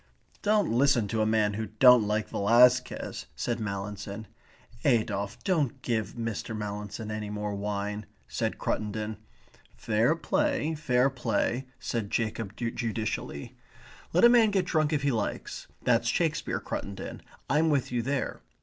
"Don't listen to a man who don't like Velasquez," said Mallinson. "Adolphe, don't give Mr. Mallinson any more wine," said Cruttendon. "Fair play, fair play," said Jacob judicially. "Let a man get drunk if he likes. That's Shakespeare, Cruttendon. I'm with you there.